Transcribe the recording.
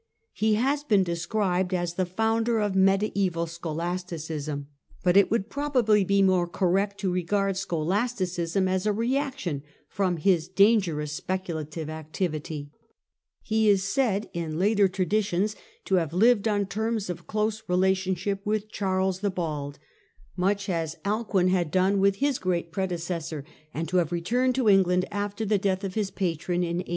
He haa been described as the founder of mediaeval scholasticism, but it would probably be more correct to regard scholas ticism as a reaction from his dangerous speculative activity. He is said, in later traditions, to have lived on tonus of close friendship with Charles the Bald, much as ALCUIN AND THE REVIVAL OF LEARNING 199 Alcuin had done with his great predecessor, and to have returned to England after the death of his patron in 877.